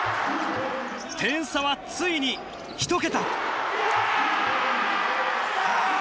点差は、ついに１桁。